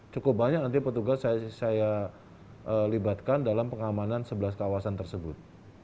cukup banyak nanti petugas saya libatkan dalam pengamanan sebelas kawasan tersebut